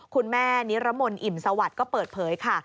นิรมนอิ่มสวัสดิ์ก็เปิดเผยค่ะ